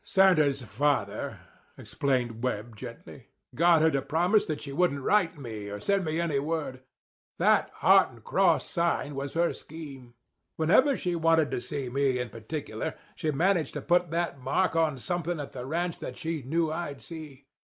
"Santa's father," explained Webb gently, "got her to promise that she wouldn't write to me or send me any word. That heart and cross sign was her scheme. Whenever she wanted to see me in particular she managed to put that mark on somethin' at the ranch that she knew I'd see.